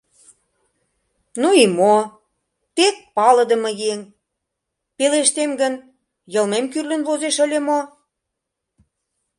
Ну и мо, тек палыдыме еҥ, пелештем гын, йылмем кӱрлын возеш ыле мо?